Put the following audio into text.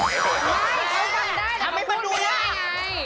ไม่เขาก็ได้เขาก็พูดไม่ได้